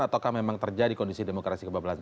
ataukah memang terjadi kondisi demokrasi kebablasan